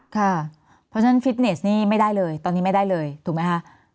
เพราะฉะนั้นฟิตเนสนี่ไม่ได้เลยตอนนี้ไม่ได้เลยถูกไหมคะ